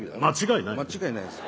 間違いない。